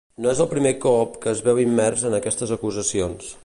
No és el primer cop que es veu immers en aquestes acusacions.